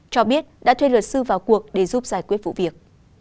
cho biết đã thuê luật sư vào cuộc để giúp giải quyết vụ việc